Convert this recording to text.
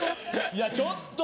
いやちょっと。